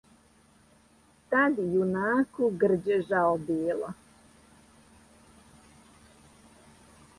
Тад јунаку грђе жао било,